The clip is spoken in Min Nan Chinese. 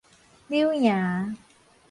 柳營